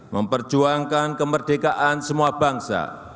memperjuangkan kemerdekaan semua bangsa